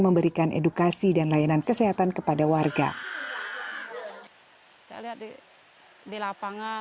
memberikan edukasi dan layanan kesehatan kepada warga saya lihat di lapangan